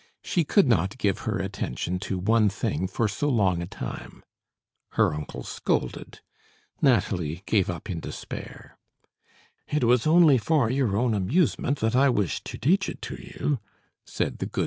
She could not give her attention to one thing for so long a time. Her uncle scolded. Nathalie gave up in despair. "It was only for your own amusement that I wished to teach it to you," said the good M.